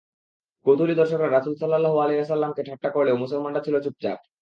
কৌতূহলী দর্শকরা রাসূল সাল্লাল্লাহু আলাইহি ওয়াসাল্লাম-কে ঠাট্টা করলেও মুসলমানরা ছিল চুপচাপ।